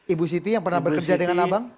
ibu siti yang pernah bekerja dengan abang